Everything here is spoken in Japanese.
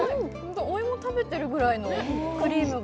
お芋食べてるくらいの、クリームが。